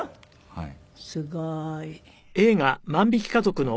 はい。